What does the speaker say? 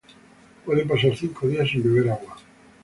Pueden pasar cinco días sin beber agua.